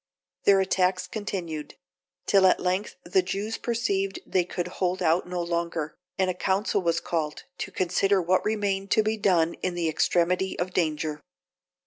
Their attacks continued; till at length the Jews perceived they could hold out no longer, and a council was called, to consider what remained to be done in the extremity of danger.